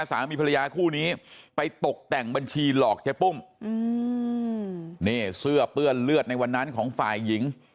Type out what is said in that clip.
สามีภรรยาคู่นี้ไปตกแต่งบัญชีหลอกเจ๊ปุ้มนี่เสื้อเปื้อนเลือดในวันนั้นของฝ่ายหญิง